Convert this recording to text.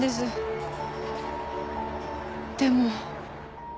でも。